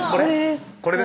これです